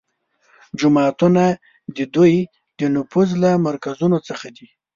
جوماتونه د دوی د نفوذ له مرکزونو څخه دي